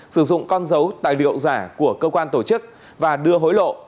sử dụng con dấu tài liệu giả của cơ quan tổ chức và đưa hối lộ